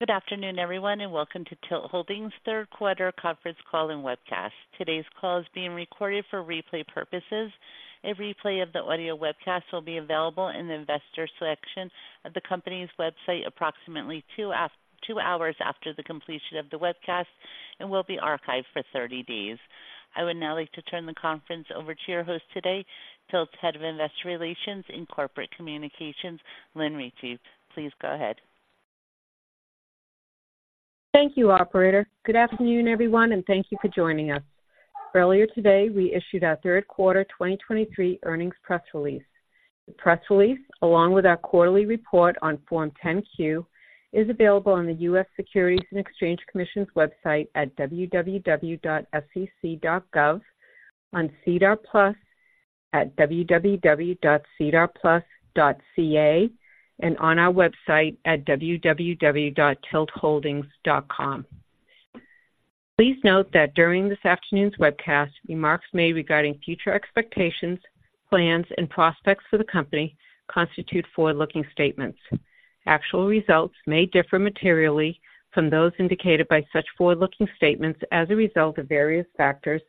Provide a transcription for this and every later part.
Good afternoon, everyone, and welcome to TILT Holdings third quarter conference call and webcast. Today's call is being recorded for replay purposes. A replay of the audio webcast will be available in the Investor section of the company's website approximately 2 hours after the completion of the webcast and will be archived for 30 days. I would now like to turn the conference over to your host today, TILT's Head of Investor Relations and Corporate Communications, Lynn Ricci. Please go ahead. Thank you, operator. Good afternoon, everyone, and thank you for joining us. Earlier today, we issued our third quarter 2023 earnings press release. The press release, along with our quarterly report on Form 10-Q, is available on the U.S. Securities and Exchange Commission's website at www.sec.gov, on SEDAR+ at www.sedarplus.ca, and on our website at www.tiltholdings.com. Please note that during this afternoon's webcast, remarks made regarding future expectations, plans, and prospects for the company constitute forward-looking statements. Actual results may differ materially from those indicated by such forward-looking statements as a result of various factors,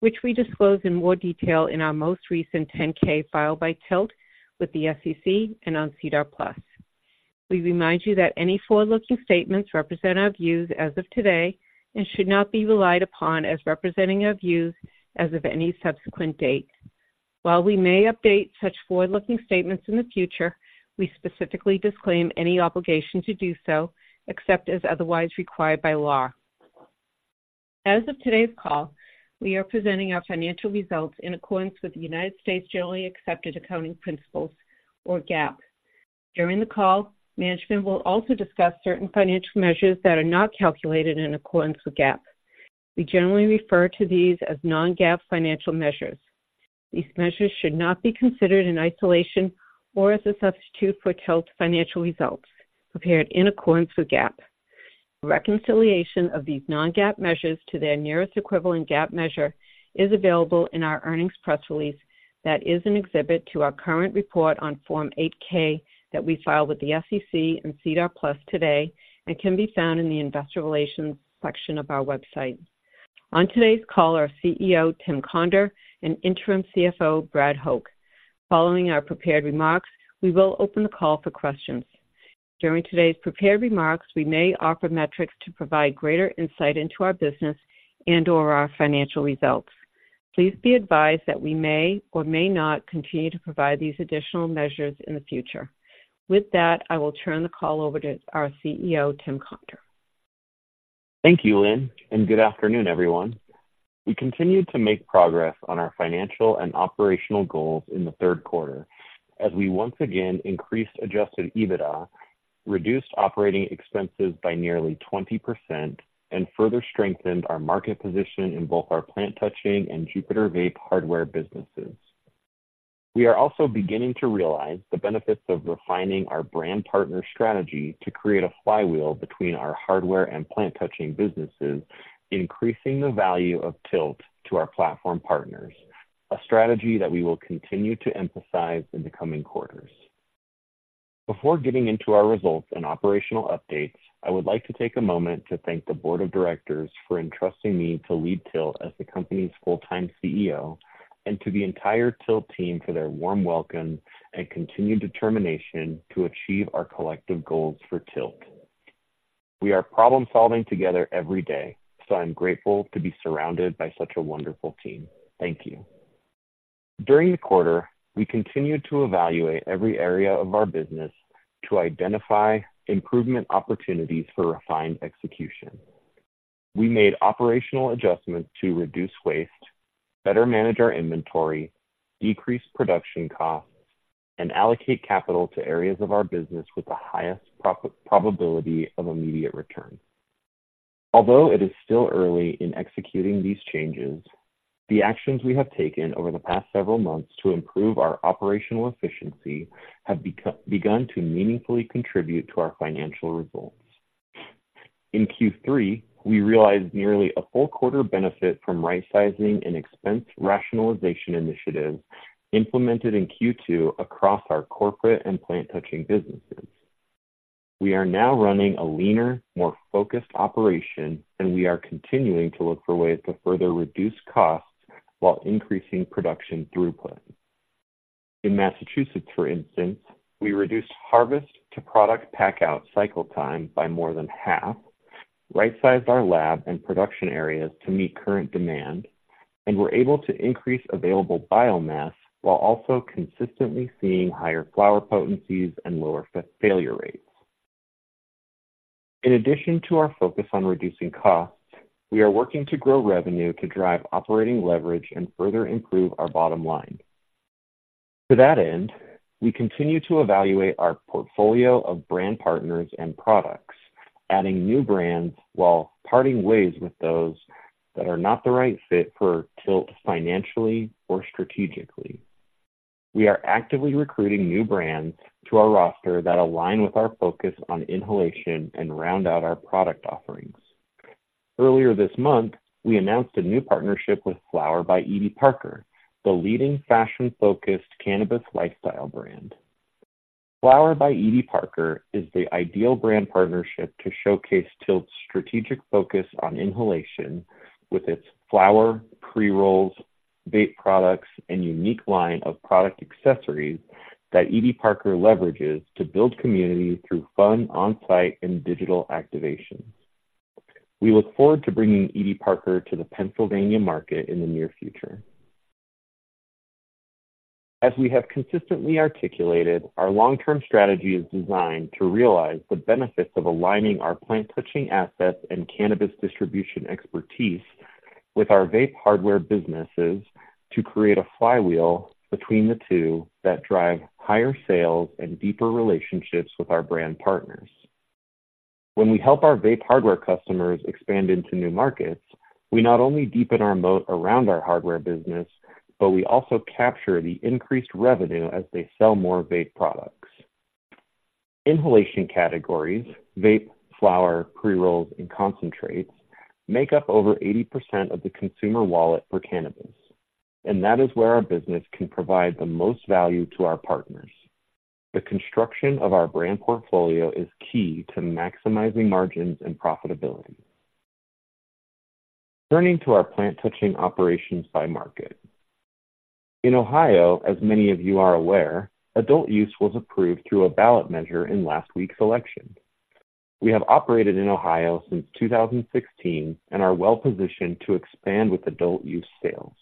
which we disclose in more detail in our most recent 10-K filed by TILT with the SEC and on SEDAR+. We remind you that any forward-looking statements represent our views as of today and should not be relied upon as representing our views as of any subsequent date. While we may update such forward-looking statements in the future, we specifically disclaim any obligation to do so, except as otherwise required by law. As of today's call, we are presenting our financial results in accordance with the United States Generally Accepted Accounting Principles, or GAAP. During the call, management will also discuss certain financial measures that are not calculated in accordance with GAAP. We generally refer to these as non-GAAP financial measures. These measures should not be considered in isolation or as a substitute for TILT's financial results prepared in accordance with GAAP. Reconciliation of these non-GAAP measures to their nearest equivalent GAAP measure is available in our earnings press release that is an exhibit to our current report on Form 8-K that we filed with the SEC and SEDAR+ today, and can be found in the Investor Relations section of our website. On today's call are CEO, Tim Conder, and Interim CFO, Brad Hoch. Following our prepared remarks, we will open the call for questions. During today's prepared remarks, we may offer metrics to provide greater insight into our business and/or our financial results. Please be advised that we may or may not continue to provide these additional measures in the future. With that, I will turn the call over to our CEO, Tim Conder. Thank you, Lynn, and good afternoon, everyone. We continued to make progress on our financial and operational goals in the third quarter, as we once again increased Adjusted EBITDA, reduced operating expenses by nearly 20%, and further strengthened our market position in both our plant-touching and Jupiter vape hardware businesses. We are also beginning to realize the benefits of refining our brand partner strategy to create a flywheel between our hardware and plant-touching businesses, increasing the value of TILT to our platform partners, a strategy that we will continue to emphasize in the coming quarters. Before getting into our results and operational updates, I would like to take a moment to thank the board of directors for entrusting me to lead TILT as the company's full-time CEO, and to the entire TILT team for their warm welcome and continued determination to achieve our collective goals for TILT. We are problem-solving together every day, so I'm grateful to be surrounded by such a wonderful team. Thank you. During the quarter, we continued to evaluate every area of our business to identify improvement opportunities for refined execution. We made operational adjustments to reduce waste, better manage our inventory, decrease production costs, and allocate capital to areas of our business with the highest probability of immediate return. Although it is still early in executing these changes, the actions we have taken over the past several months to improve our operational efficiency have begun to meaningfully contribute to our financial results. In Q3, we realized nearly a full quarter benefit from right sizing and expense rationalization initiatives implemented in Q2 across our corporate and plant-touching businesses. We are now running a leaner, more focused operation, and we are continuing to look for ways to further reduce costs while increasing production throughput. In Massachusetts, for instance, we reduced harvest to product pack out cycle time by more than half, right-sized our lab and production areas to meet current demand, and were able to increase available biomass while also consistently seeing higher flower potencies and lower failure rates. In addition to our focus on reducing costs, we are working to grow revenue to drive operating leverage and further improve our bottom line. To that end, we continue to evaluate our portfolio of brand partners and products, adding new brands while parting ways with those that are not the right fit for TILT financially or strategically. We are actively recruiting new brands to our roster that align with our focus on inhalation and round out our product offerings…. Earlier this month, we announced a new partnership with Flower by Edie Parker, the leading fashion-focused cannabis lifestyle brand. Flower by Edie Parker is the ideal brand partnership to showcase TILT's strategic focus on inhalation, with its flower, pre-rolls, vape products, and unique line of product accessories that Edie Parker leverages to build community through fun on-site and digital activations. We look forward to bringing Edie Parker to the Pennsylvania market in the near future. As we have consistently articulated, our long-term strategy is designed to realize the benefits of aligning our plant-touching assets and cannabis distribution expertise with our vape hardware businesses, to create a flywheel between the two that drive higher sales and deeper relationships with our brand partners. When we help our vape hardware customers expand into new markets, we not only deepen our moat around our hardware business, but we also capture the increased revenue as they sell more vape products. Inhalation categories, vape, flower, pre-rolls, and concentrates, make up over 80% of the consumer wallet for cannabis, and that is where our business can provide the most value to our partners. The construction of our brand portfolio is key to maximizing margins and profitability. Turning to our plant-touching operations by market. In Ohio, as many of you are aware, adult use was approved through a ballot measure in last week's election. We have operated in Ohio since 2016, and are well-positioned to expand with adult-use sales.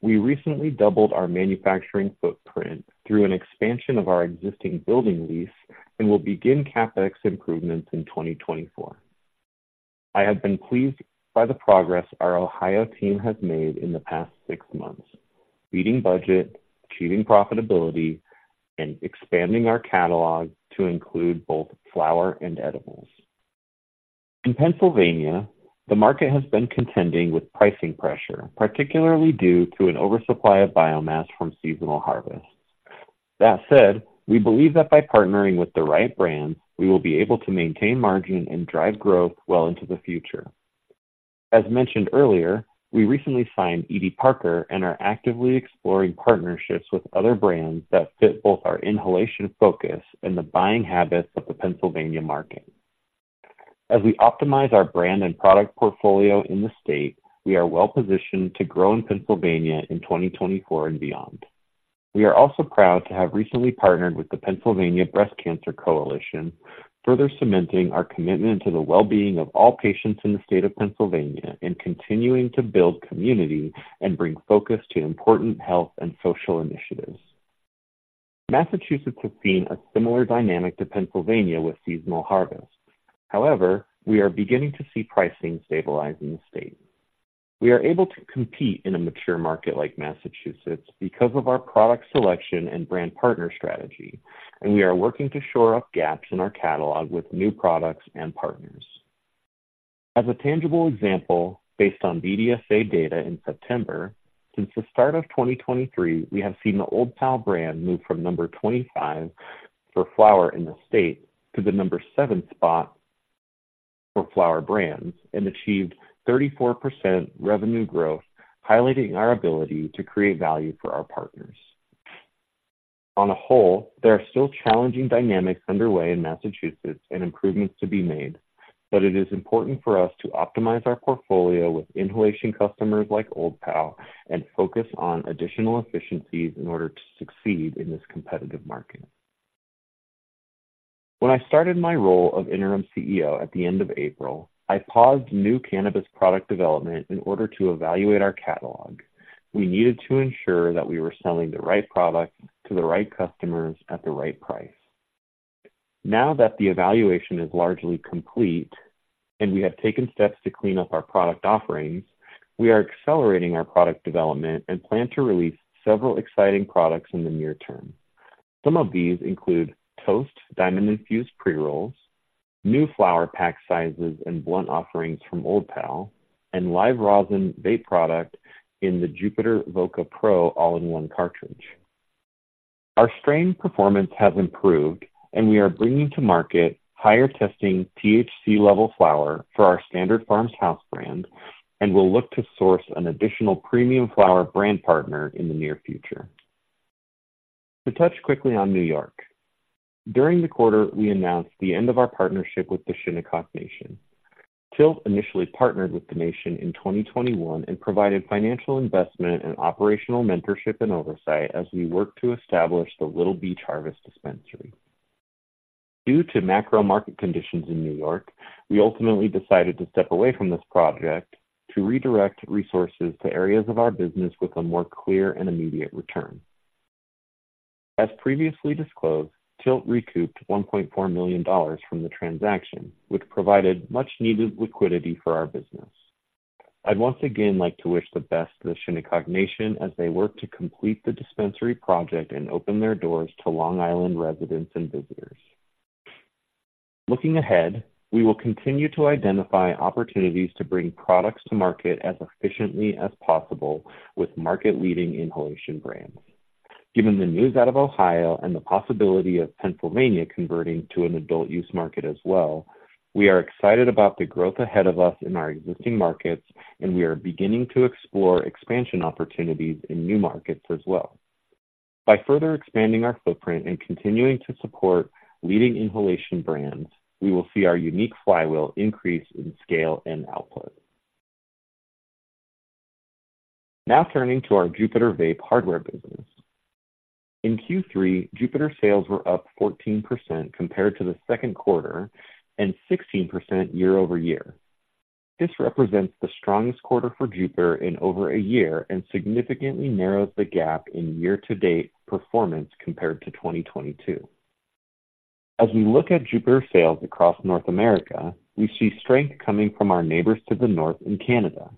We recently doubled our manufacturing footprint through an expansion of our existing building lease, and will begin CapEx improvements in 2024. I have been pleased by the progress our Ohio team has made in the past six months, beating budget, achieving profitability, and expanding our catalog to include both flower and edibles. In Pennsylvania, the market has been contending with pricing pressure, particularly due to an oversupply of biomass from seasonal harvest. That said, we believe that by partnering with the right brands, we will be able to maintain margin and drive growth well into the future. As mentioned earlier, we recently signed Edie Parker and are actively exploring partnerships with other brands that fit both our inhalation focus and the buying habits of the Pennsylvania market. As we optimize our brand and product portfolio in the state, we are well positioned to grow in Pennsylvania in 2024 and beyond. We are also proud to have recently partnered with the Pennsylvania Breast Cancer Coalition, further cementing our commitment to the well-being of all patients in the state of Pennsylvania, and continuing to build community and bring focus to important health and social initiatives. Massachusetts has seen a similar dynamic to Pennsylvania with seasonal harvest. However, we are beginning to see pricing stabilize in the state. We are able to compete in a mature market like Massachusetts because of our product selection and brand partner strategy, and we are working to shore up gaps in our catalog with new products and partners. As a tangible example, based on BDSA data in September, since the start of 2023, we have seen the Old Pal brand move from number 25 for flower in the state to the number 7 spot for flower brands and achieved 34% revenue growth, highlighting our ability to create value for our partners. On the whole, there are still challenging dynamics underway in Massachusetts and improvements to be made, but it is important for us to optimize our portfolio with inhalation customers like Old Pal and focus on additional efficiencies in order to succeed in this competitive market. When I started my role of Interim CEO at the end of April, I paused new cannabis product development in order to evaluate our catalog. We needed to ensure that we were selling the right product to the right customers at the right price. Now that the evaluation is largely complete and we have taken steps to clean up our product offerings, we are accelerating our product development and plan to release several exciting products in the near term. Some of these include Toast diamond infused pre-rolls, new flower pack sizes and blunt offerings from Old Pal, and live rosin vape product in the Jupiter Voca Pro all-in-one cartridge. Our strain performance has improved, and we are bringing to market higher testing THC level flower for our Standard Farms house brand, and will look to source an additional premium flower brand partner in the near future. To touch quickly on New York. During the quarter, we announced the end of our partnership with the Shinnecock Nation. TILT initially partnered with the nation in 2021 and provided financial investment and operational mentorship and oversight as we worked to establish the Little Beach Harvest dispensary. Due to macro market conditions in New York, we ultimately decided to step away from this project to redirect resources to areas of our business with a more clear and immediate return. As previously disclosed, TILT recouped $1.4 million from the transaction, which provided much-needed liquidity for our business. I'd once again like to wish the best to the Shinnecock Nation as they work to complete the dispensary project and open their doors to Long Island residents and visitors. Looking ahead, we will continue to identify opportunities to bring products to market as efficiently as possible with market-leading inhalation brands. Given the news out of Ohio and the possibility of Pennsylvania converting to an adult use market as well, we are excited about the growth ahead of us in our existing markets, and we are beginning to explore expansion opportunities in new markets as well. By further expanding our footprint and continuing to support leading inhalation brands, we will see our unique flywheel increase in scale and output. Now turning to our Jupiter Vape hardware business. In Q3, Jupiter sales were up 14% compared to the second quarter, and 16% year over year. This represents the strongest quarter for Jupiter in over a year and significantly narrows the gap in year-to-date performance compared to 2022. As we look at Jupiter sales across North America, we see strength coming from our neighbors to the north in Canada.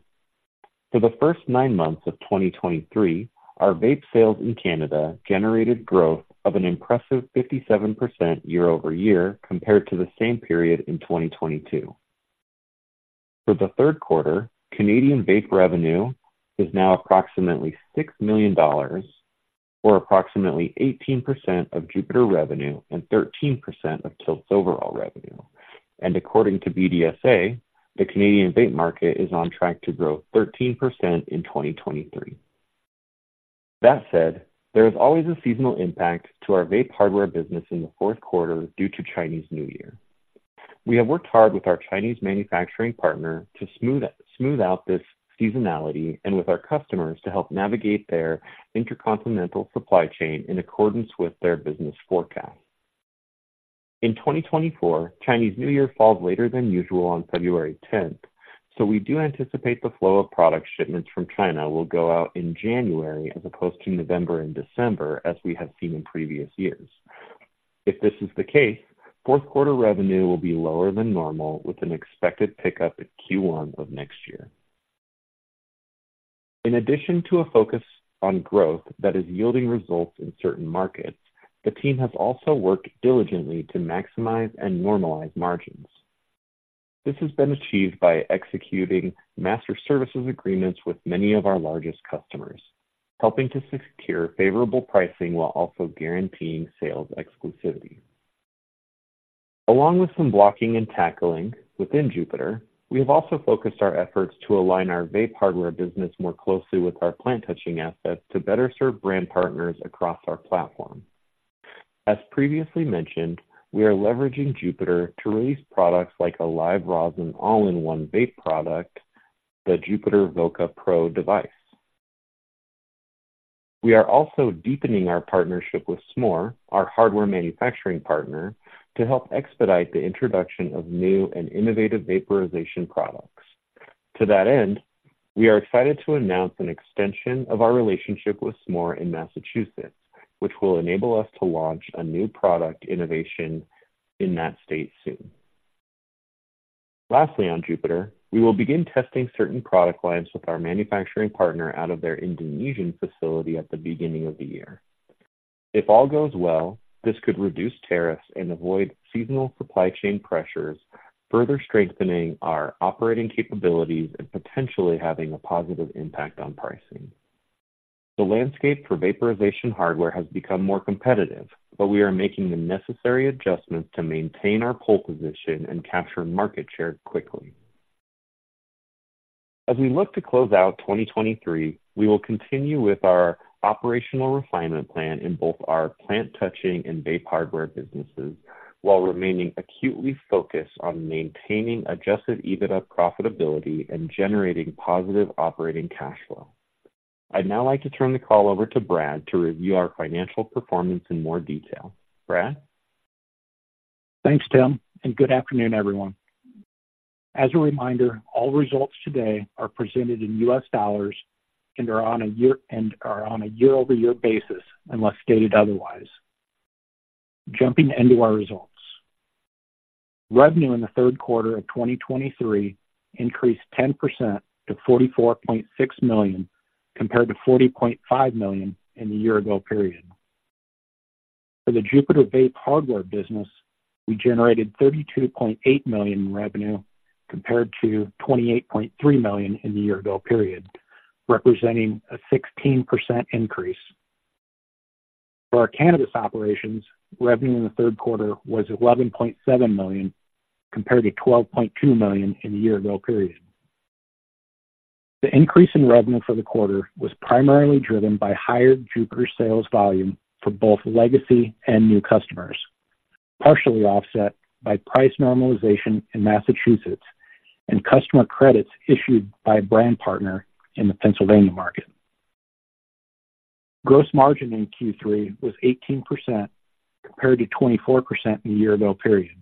For the first nine months of 2023, our vape sales in Canada generated growth of an impressive 57% year over year compared to the same period in 2022. For the third quarter, Canadian vape revenue is now approximately $6 million, or approximately 18% of Jupiter revenue and 13% of TILT's overall revenue. According to BDSA, the Canadian vape market is on track to grow 13% in 2023. That said, there is always a seasonal impact to our vape hardware business in the fourth quarter due to Chinese New Year. We have worked hard with our Chinese manufacturing partner to smooth out this seasonality and with our customers to help navigate their intercontinental supply chain in accordance with their business forecast. In 2024, Chinese New Year falls later than usual on February 10th, so we do anticipate the flow of product shipments from China will go out in January, as opposed to November and December, as we have seen in previous years. If this is the case, fourth quarter revenue will be lower than normal, with an expected pickup in Q1 of next year. In addition to a focus on growth that is yielding results in certain markets, the team has also worked diligently to maximize and normalize margins. This has been achieved by executing master services agreements with many of our largest customers, helping to secure favorable pricing while also guaranteeing sales exclusivity. Along with some blocking and tackling within Jupiter, we have also focused our efforts to align our vape hardware business more closely with our plant-touching assets to better serve brand partners across our platform. As previously mentioned, we are leveraging Jupiter to release products like a Live rosin all-in-one vape product, the Jupiter VOCA Pro device. We are also deepening our partnership with Smoore, our hardware manufacturing partner, to help expedite the introduction of new and innovative vaporization products. To that end, we are excited to announce an extension of our relationship with Smoore in Massachusetts, which will enable us to launch a new product innovation in that state soon. Lastly, on Jupiter, we will begin testing certain product lines with our manufacturing partner out of their Indonesian facility at the beginning of the year. If all goes well, this could reduce tariffs and avoid seasonal supply chain pressures, further strengthening our operating capabilities and potentially having a positive impact on pricing. The landscape for vaporization hardware has become more competitive, but we are making the necessary adjustments to maintain our pole position and capture market share quickly. As we look to close out 2023, we will continue with our operational refinement plan in both our plant-touching and vape hardware businesses, while remaining acutely focused on maintaining Adjusted EBITDA profitability and generating positive operating cash flow. I'd now like to turn the call over to Brad to review our financial performance in more detail. Brad? Thanks, Tim, and good afternoon, everyone. As a reminder, all results today are presented in U.S. dollars and are on a year-over-year basis, unless stated otherwise. Jumping into our results. Revenue in the third quarter of 2023 increased 10% to $44.6 million, compared to $40.5 million in the year ago period. For the Jupiter Vape hardware business, we generated $32.8 million in revenue, compared to $28.3 million in the year ago period, representing a 16% increase. For our cannabis operations, revenue in the third quarter was $11.7 million, compared to $12.2 million in the year-ago period. The increase in revenue for the quarter was primarily driven by higher Jupiter sales volume for both legacy and new customers, partially offset by price normalization in Massachusetts and customer credits issued by a brand partner in the Pennsylvania market. Gross margin in Q3 was 18%, compared to 24% in the year-ago period.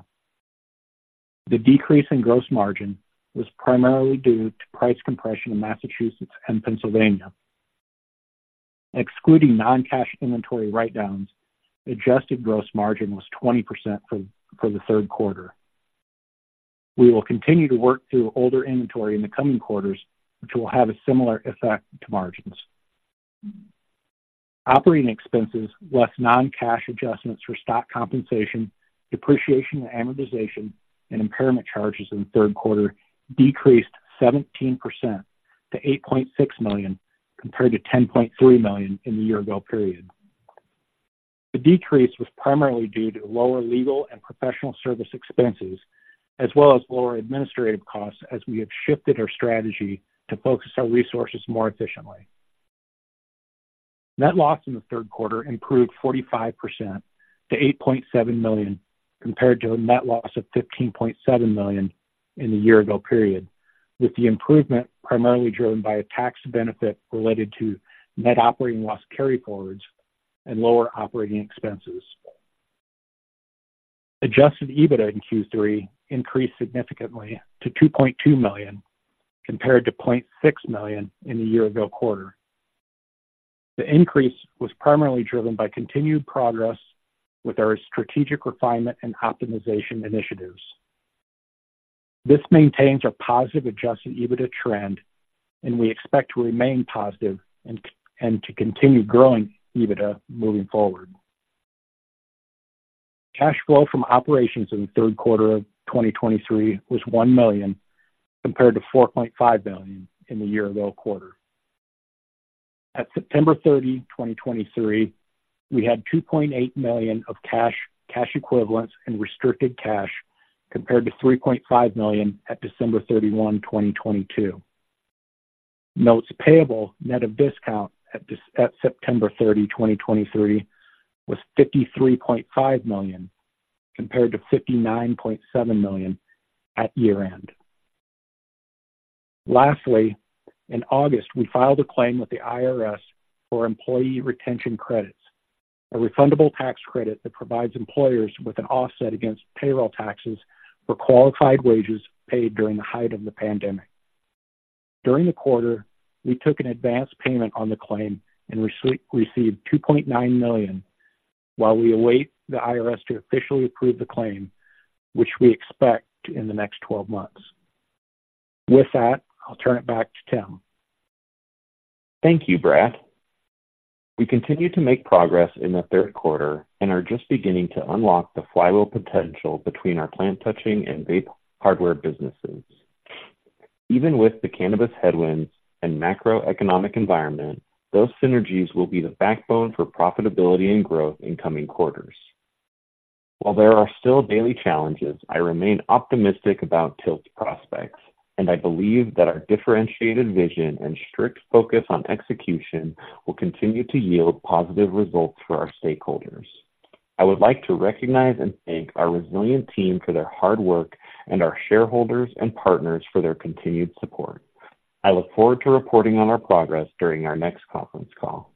The decrease in gross margin was primarily due to price compression in Massachusetts and Pennsylvania. Excluding non-cash inventory write-downs, adjusted gross margin was 20% for the third quarter. We will continue to work through older inventory in the coming quarters, which will have a similar effect to margins. Operating expenses, less non-cash adjustments for stock compensation, depreciation and amortization, and impairment charges in the third quarter decreased 17% to $8.6 million, compared to $10.3 million in the year-ago period. The decrease was primarily due to lower legal and professional service expenses, as well as lower administrative costs, as we have shifted our strategy to focus our resources more efficiently. Net loss in the third quarter improved 45% to $8.7 million, compared to a net loss of $15.7 million in the year-ago period, with the improvement primarily driven by a tax benefit related to net operating loss carryforwards and lower operating expenses. Adjusted EBITDA in Q3 increased significantly to $2.2 million, compared to $0.6 million in the year-ago quarter. The increase was primarily driven by continued progress with our strategic refinement and optimization initiatives. This maintains a positive Adjusted EBITDA trend, and we expect to remain positive and to continue growing EBITDA moving forward. Cash flow from operations in the third quarter of 2023 was $1 million, compared to $4.5 million in the year-ago quarter. At September 30, 2023, we had $2.8 million of cash, cash equivalents, and restricted cash, compared to $3.5 million at December 31, 2022. Notes payable, net of discount at September 30, 2023, was $53.5 million, compared to $59.7 million at year-end. Lastly, in August, we filed a claim with the IRS for employee retention credits, a refundable tax credit that provides employers with an offset against payroll taxes for qualified wages paid during the height of the pandemic. During the quarter, we took an advanced payment on the claim and received $2.9 million, while we await the IRS to officially approve the claim, which we expect in the next 12 months. With that, I'll turn it back to Tim. Thank you, Brad. We continued to make progress in the third quarter and are just beginning to unlock the flywheel potential between our plant-touching and vape hardware businesses. Even with the cannabis headwinds and macroeconomic environment, those synergies will be the backbone for profitability and growth in coming quarters. While there are still daily challenges, I remain optimistic about TILT's prospects, and I believe that our differentiated vision and strict focus on execution will continue to yield positive results for our stakeholders. I would like to recognize and thank our resilient team for their hard work and our shareholders and partners for their continued support. I look forward to reporting on our progress during our next conference call.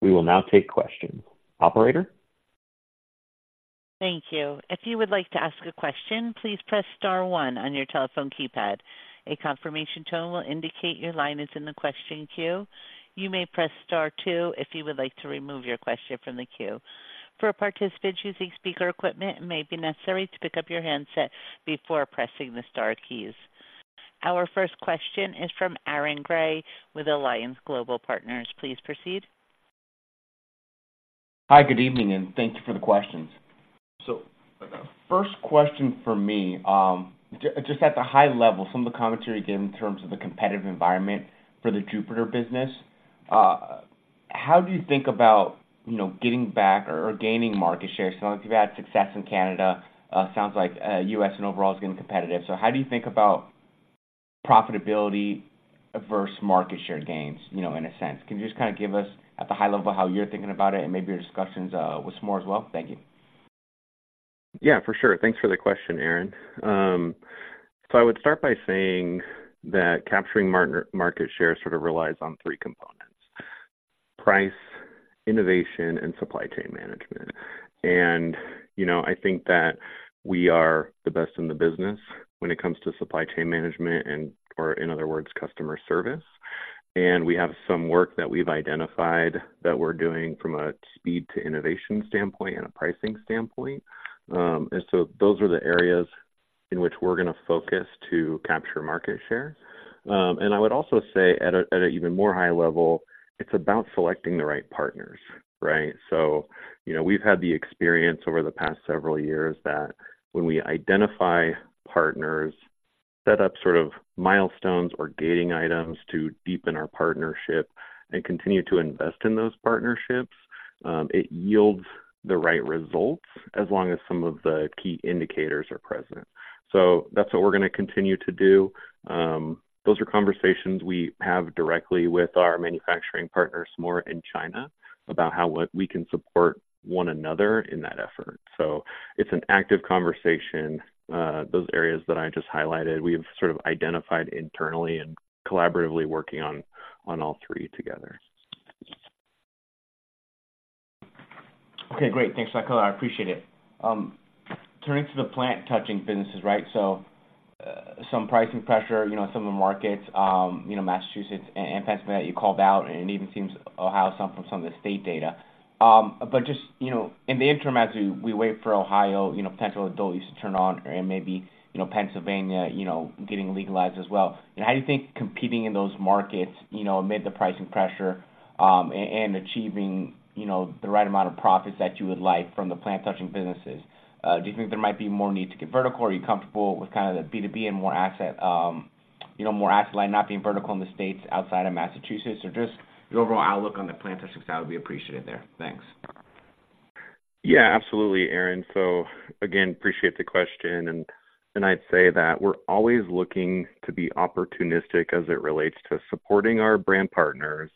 We will now take questions. Operator? Thank you. If you would like to ask a question, please press star one on your telephone keypad. A confirmation tone will indicate your line is in the question queue. You may press star two if you would like to remove your question from the queue. For participants using speaker equipment, it may be necessary to pick up your handset before pressing the star keys. Our first question is from Aaron Grey with Alliance Global Partners. Please proceed. Hi, good evening, and thank you for the questions. So first question for me, just at the high level, some of the commentary gave in terms of the competitive environment for the Jupiter business. How do you think about, you know, getting back or gaining market share? So you've had success in Canada, sounds like, U.S. and overall is getting competitive. So how do you think about profitability versus market share gains, you know, in a sense? Can you just give us, at the high level, how you're thinking about it and maybe your discussions with Smoore as well? Thank you. Yeah, for sure. Thanks for the question, Aaron. So I would start by saying that capturing market share sort of relies on three components: price, innovation, and supply chain management. And, you know, I think that we are the best in the business when it comes to supply chain management and or in other words, customer service. And we have some work that we've identified that we're doing from a speed to innovation standpoint and a pricing standpoint. And so those are the areas in which we're going to focus to capture market share. And I would also say at an even more high level, it's about selecting the right partners, right? So, you know, we've had the experience over the past several years that when we identify partners, set up sort of milestones or gating items to deepen our partnership and continue to invest in those partnerships, it yields the right results as long as some of the key indicators are present. So that's what we're gonna continue to do. Those are conversations we have directly with our manufacturing partners more in China, about how we can support one another in that effort. So it's an active conversation. Those areas that I just highlighted, we've sort of identified internally and collaboratively working on, on all three together. Okay, great. Thanks, for that color. I appreciate it. Turning to the plant-touching businesses, right? So, some pricing pressure, you know, some of the markets, you know, Massachusetts and Pennsylvania, you called out, and it even seems Ohio, some from some of the state data. But just, you know, in the interim, as we wait for Ohio, you know, potential adults to turn on and maybe, you know, Pennsylvania, you know, getting legalized as well, how do you think competing in those markets, you know, amid the pricing pressure, and achieving, you know, the right amount of profits that you would like from the plant-touching businesses? Do you think there might be more need to get vertical, or are you comfortable with kind of the B2B and more asset. You know, more outline not being vertical in the States outside of Massachusetts, or just your overall outlook on the plan, that success would be appreciated there. Thanks. Yeah, absolutely, Aaron. So again, appreciate the question, and I'd say that we're always looking to be opportunistic as it relates to supporting our brand partners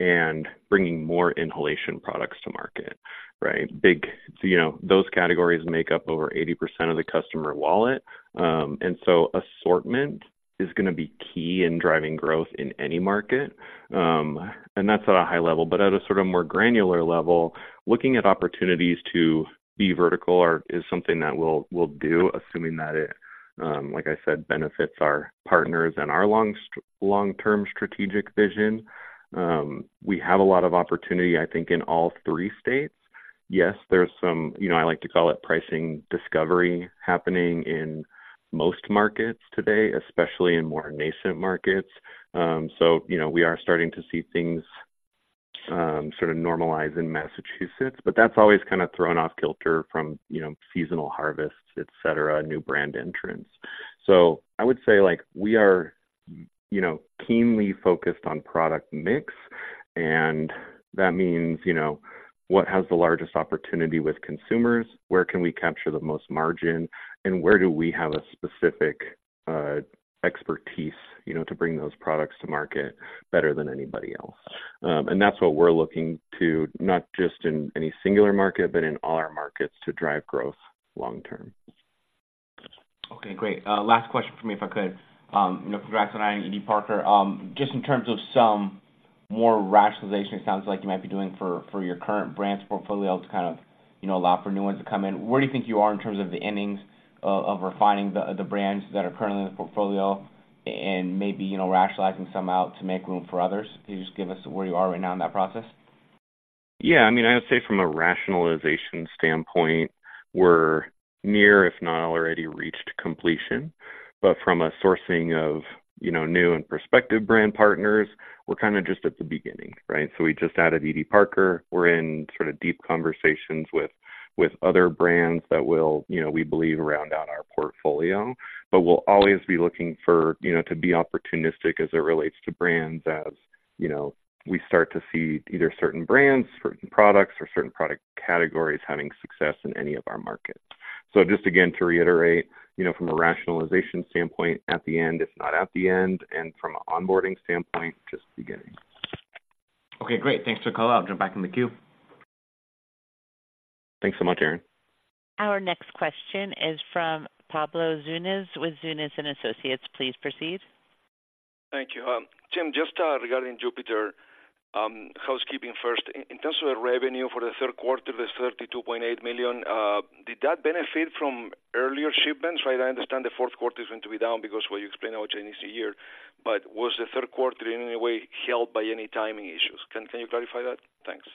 and bringing more inhalation products to market, right? You know, those categories make up over 80% of the customer wallet. And so assortment is gonna be key in driving growth in any market. And that's at a high level, but at a sort of more granular level, looking at opportunities to be vertical is something that we'll do, assuming that it, like I said, benefits our partners and our long-term strategic vision. We have a lot of opportunity, I think, in all three states. Yes, there's some, you know, I like to call it pricing discovery, happening in most markets today, especially in more nascent markets. So, you know, we are starting to see things sort of normalize in Massachusetts, but that's always kind of thrown off kilter from, you know, seasonal harvests, et cetera, new brand entrants. So I would say, like, we are, you know, keenly focused on product mix, and that means, you know, what has the largest opportunity with consumers? Where can we capture the most margin? And where do we have a specific expertise, you know, to bring those products to market better than anybody else? And that's what we're looking to, not just in any singular market, but in all our markets, to drive growth long term. Okay, great. Last question for me, if I could. You know, for Drax and Edie Parker. Just in terms of some more rationalization, it sounds like you might be doing for your current brands portfolio to kind of, you know, allow for new ones to come in. Where do you think you are in terms of the innings of refining the brands that are currently in the portfolio and maybe, you know, rationalizing some out to make room for others? Can you just give us where you are right now in that process? Yeah, I mean, I would say from a rationalization standpoint, we're near, if not already, reached completion. But from a sourcing of, you know, new and prospective brand partners, we're kind of just at the beginning, right? So we just added Edie Parker. We're in sort of deep conversations with other brands that will, you know, we believe, round out our portfolio, but we'll always be looking for, you know, to be opportunistic as it relates to brands as, you know, we start to see either certain brands, certain products, or certain product categories having success in any of our markets. So just again, to reiterate, you know, from a rationalization standpoint, at the end, if not at the end, and from an onboarding standpoint, just beginning. Okay, great. Thanks for the color. I'll jump back in the queue. Thanks so much, Aaron. Our next question is from Pablo Zuanic with Zuanic & Associates. Please proceed. Thank you. Tim, just, regarding Jupiter, housekeeping first. In terms of the revenue for the third quarter, the $32.8 million, did that benefit from earlier shipments? Right, I understand the fourth quarter is going to be down because what you explained about Chinese New Year, but was the third quarter in any way held by any timing issues? Can, can you clarify that? Thanks.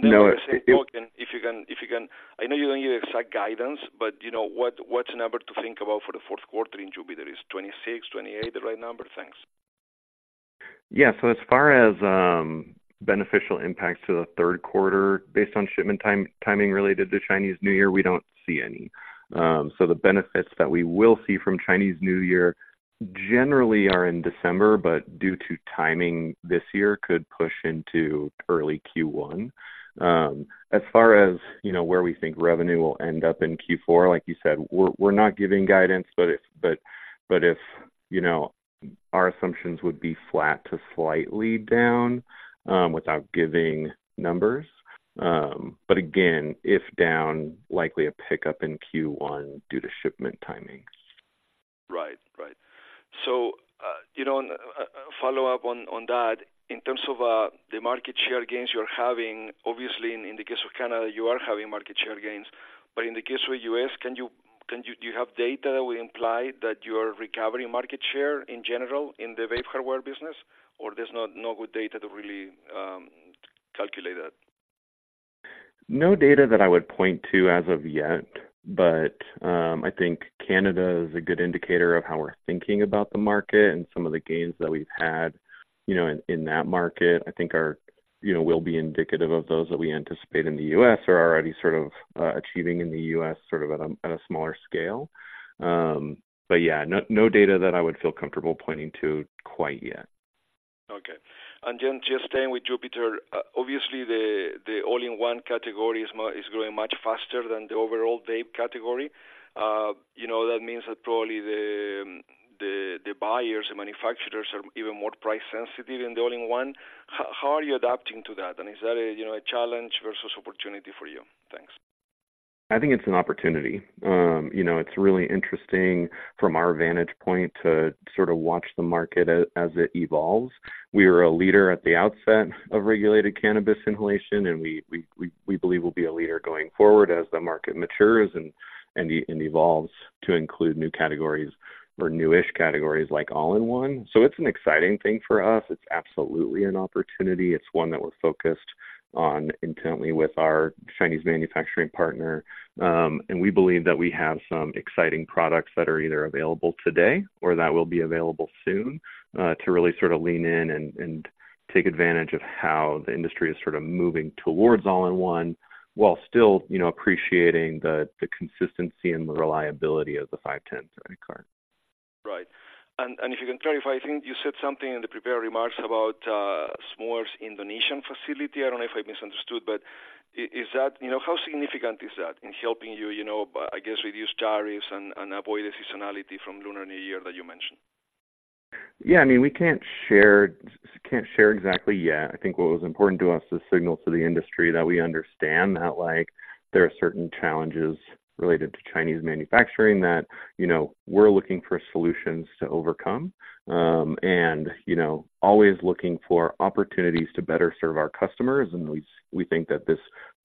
No, I- Then if you can, I know you don't give exact guidance, but, you know, what's the number to think about for the fourth quarter in Jupiter? Is 26-28 the right number? Thanks. Yeah. So as far as beneficial impacts to the third quarter based on shipment timing related to Chinese New Year, we don't see any. So the benefits that we will see from Chinese New Year generally are in December, but due to timing this year, could push into early Q1. As far as, you know, where we think revenue will end up in Q4, like you said, we're not giving guidance, but if, you know, our assumptions would be flat to slightly down without giving numbers. But again, if down, likely a pickup in Q1 due to shipment timing. Right. Right. So, you know, and follow up on that, in terms of the market share gains you're having, obviously, in the case of Canada, you are having market share gains. But in the case with U.S., can you, do you have data that would imply that you are recovering market share in general in the vape hardware business, or there's no good data to really calculate that? No data that I would point to as of yet, but I think Canada is a good indicator of how we're thinking about the market and some of the gains that we've had, you know, in that market. I think our... you know, will be indicative of those that we anticipate in the U.S. or already sort of achieving in the U.S., sort of at a smaller scale. But yeah, no data that I would feel comfortable pointing to quite yet. Okay. And then just staying with Jupiter, obviously, the all-in-one category is growing much faster than the overall vape category. You know, that means that probably the buyers and manufacturers are even more price sensitive in the all-in-one. How are you adapting to that? And is that a, you know, a challenge versus opportunity for you? Thanks. I think it's an opportunity. You know, it's really interesting from our vantage point to sort of watch the market as it evolves. We were a leader at the outset of regulated cannabis inhalation, and we believe we'll be a leader going forward as the market matures and evolves to include new categories or new-ish categories like all-in-one. So it's an exciting thing for us. It's absolutely an opportunity. It's one that we're focused on intently with our Chinese manufacturing partner. And we believe that we have some exciting products that are either available today or that will be available soon to really sort of lean in and take advantage of how the industry is sort of moving towards all-in-one, while still, you know, appreciating the consistency and the reliability of the 510 cart. Right. And if you can clarify, I think you said something in the prepared remarks about Smoore Indonesian facility. I don't know if I misunderstood, but I, is that, you know, how significant is that in helping you, you know, I guess, reduce tariffs and avoid the seasonality from Lunar New Year that you mentioned? Yeah, I mean, we can't share exactly yet. I think what was important to us to signal to the industry that we understand that, like, there are certain challenges related to Chinese manufacturing that, you know, we're looking for solutions to overcome. You know, always looking for opportunities to better serve our customers, and we think that this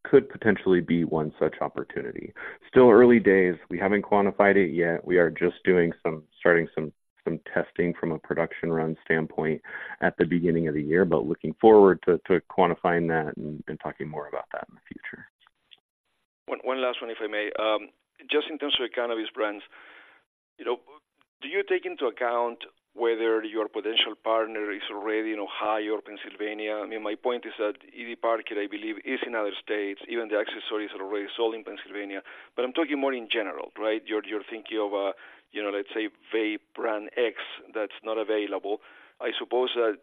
could potentially be one such opportunity. Still early days, we haven't quantified it yet. We are just starting some testing from a production run standpoint at the beginning of the year, but looking forward to quantifying that and talking more about that in the future. One last one, if I may. Just in terms of the cannabis brands, you know, do you take into account whether your potential partner is already in Ohio or Pennsylvania? I mean, my point is that Edie Parker, I believe, is in other states. Even the accessories are already sold in Pennsylvania, but I'm talking more in general, right? You're thinking of, you know, let's say vape brand X that's not available. I suppose that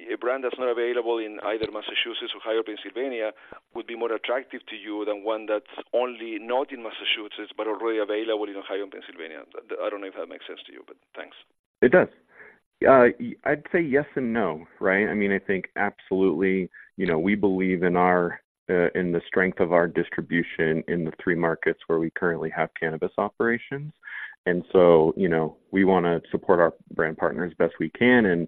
a brand that's not available in either Massachusetts, Ohio, or Pennsylvania would be more attractive to you than one that's only not in Massachusetts, but already available in Ohio and Pennsylvania. I don't know if that makes sense to you, but thanks. It does. I'd say yes and no, right? I mean, I think absolutely, you know, we believe in the strength of our distribution in the three markets where we currently have cannabis operations. And so, you know, we wanna support our brand partners as best we can, and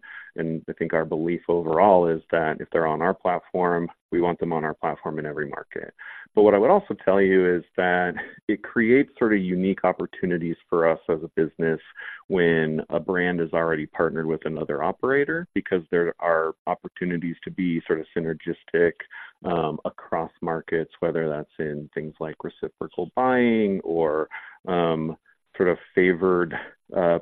I think our belief overall is that if they're on our platform, we want them on our platform in every market. But what I would also tell you is that it creates sort of unique opportunities for us as a business when a brand is already partnered with another operator, because there are opportunities to be sort of synergistic across markets, whether that's in things like reciprocal buying or sort of favored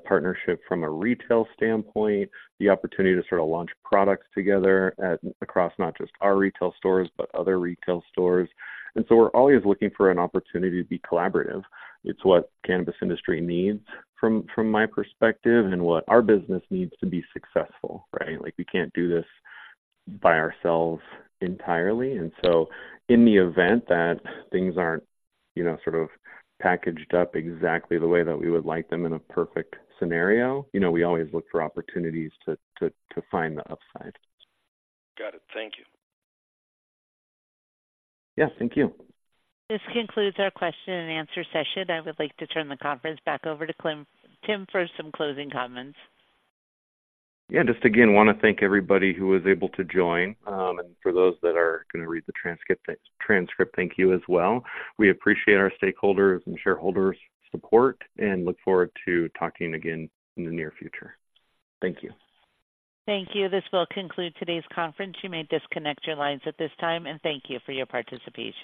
partnership from a retail standpoint, the opportunity to sort of launch products together across not just our retail stores, but other retail stores. And so we're always looking for an opportunity to be collaborative. It's what cannabis industry needs from my perspective, and what our business needs to be successful, right? Like, we can't do this by ourselves entirely. And so in the event that things aren't, you know, sort of packaged up exactly the way that we would like them in a perfect scenario, you know, we always look for opportunities to find the upside. Got it. Thank you. Yeah, thank you. This concludes our question and answer session. I would like to turn the conference back over to Tim for some closing comments. Yeah, just again, want to thank everybody who was able to join. And for those that are going to read the transcript, thank you as well. We appreciate our stakeholders and shareholders' support, and look forward to talking again in the near future. Thank you. Thank you. This will conclude today's conference. You may disconnect your lines at this time, and thank you for your participation.